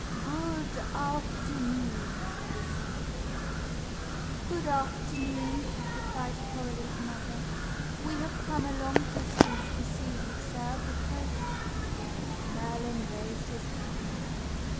"Good afternoon," he said. "Good afternoon," replied Coralie's mother; "we have come a long distance to see you, sir, because " Merlin raised his hand.